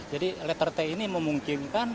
jadi letter t ini memungkinkan